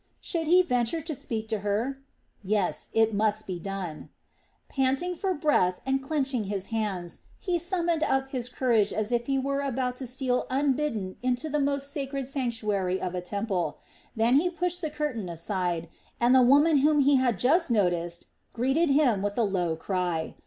Should he venture to speak to her? Yes, it must be done. Panting for breath and clenching his hands, he summoned up his courage as if he were about to steal unbidden into the most sacred sanctuary of a temple. Then he pushed the curtain aside, and the woman whom he had just noticed greeted him with a low cry.